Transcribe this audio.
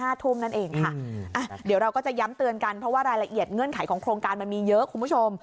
นั่นเองค่ะอ่ะเดี๋ยวเราก็จะย้ำเตือนกันเพราะว่ารายละเอียดเงื่อนไขของโครงการมันมีเยอะคุณผู้ชม